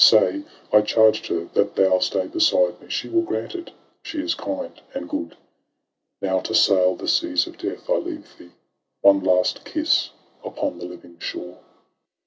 Say, I charged her, that thou stay beside me. She will grant it; she is kind and good. Now to sail the seas of death I leave thee — One last kiss upon the living shore!